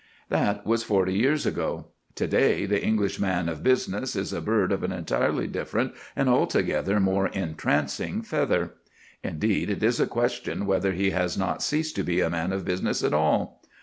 That was forty years ago. To day the English man of business is a bird of an entirely different and altogether more entrancing feather. Indeed, it is a question whether he has not ceased to be a man of business at all.